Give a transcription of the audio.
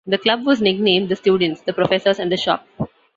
The club was nicknamed The Students, The Professors and The Shop.